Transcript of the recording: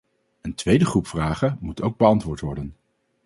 Een tweede groep vragen moet ook beantwoord worden.